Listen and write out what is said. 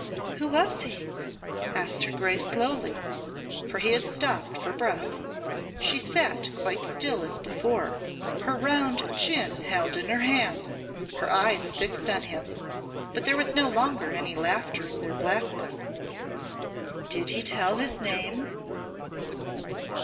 "Who was he?" asked her Grace slowly, for he had stopped for breath. She sat quite still as before, her round chin held in her hands, her eyes fixed on him, but there was no longer any laughter in their blackness. "Did he tell his name?"